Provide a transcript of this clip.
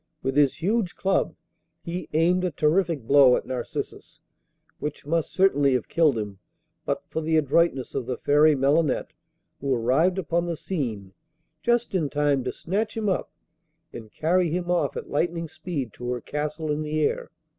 With his huge club he aimed a terrific blow at Narcissus, which must certainly have killed him but for the adroitness of the Fairy Melinette, who arrived upon the scene just in time to snatch him up and carry him off at lightning speed to her castle in the air.